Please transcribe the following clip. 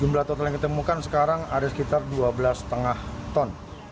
jumlah total yang kita temukan sekarang ada sekitar dua belas lima ton